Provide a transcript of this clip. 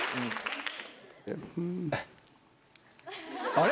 あれ？